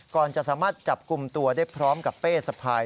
ก่อนจะสามารถจับกลุ่มตัวได้พร้อมกับเป้สะพาย